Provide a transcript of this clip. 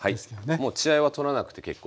もう血合いは取らなくて結構です。